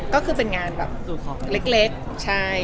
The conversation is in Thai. ก็คือเป็นงานแบบเล็กใช่